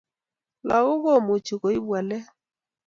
Lakok kumuchi kuip walet